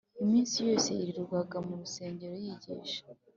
Iminsi yose yirirwaga mu rusengero yigisha